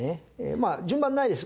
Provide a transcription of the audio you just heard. まあ順番ないです。